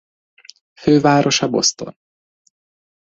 Fővárosa Boston.